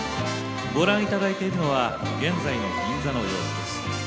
ご覧いただいているのは現在の銀座の様子です。